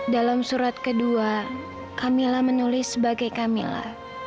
dalam surat kedua kamila menulis sebagai kamila